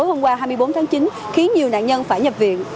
hôm qua hai mươi bốn tháng chín khiến nhiều nạn nhân phải nhập viện